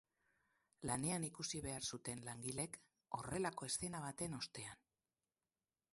Lanean ikusi behar zuten langileek horrelako eszena baten ostean.